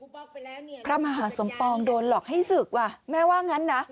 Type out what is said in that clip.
พระมหาสมปองโดนหลอกให้ศึกว่ะแม่ว่างั้นนะ